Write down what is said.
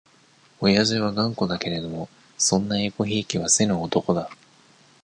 おやじは頑固だけれども、そんなえこひいきはせぬ男だ。